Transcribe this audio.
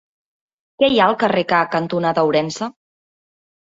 Què hi ha al carrer K cantonada Ourense?